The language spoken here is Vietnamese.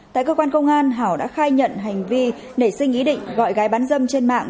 tại cơ quan công an hảo đã khai nhận hành vi nảy sinh ý định gọi gái bán dâm trên mạng